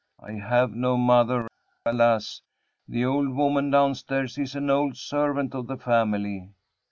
"I have no mother, alas! The old woman down stairs is an old servant of the family."